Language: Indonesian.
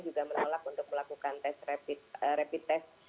juga menolak untuk melakukan tes rapid test